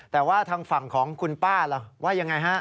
แต่ว่าทางฝั่งของคุณป้าล่ะว่ายังไงฮะ